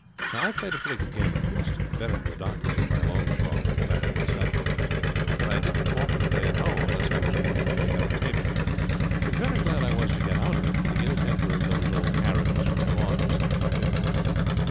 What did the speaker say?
Now, I played a pretty good game at whist, better than the doctor did by a long chalk I flattered myself; but I didn't often play at home unless I was wanted to make up a table, and very glad I was to get out of it, for the ill temper of those old harridans when they lost was something fearful.